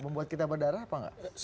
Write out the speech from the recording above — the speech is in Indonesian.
membuat kita berdarah apa enggak